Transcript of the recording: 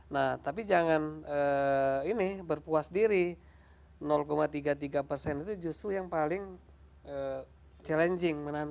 nah tapi jangan ini berpuas diri tiga puluh tiga persen itu justru yang paling challenging